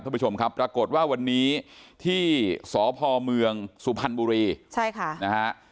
ปรากฏว่าวันนี้ที่สพเมืองสุพันธ์บุรีใช่ค่ะนะฮะ